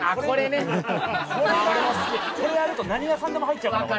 これあると何屋さんでも入っちゃう。